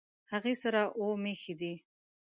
هغې سره اووه مېښې دي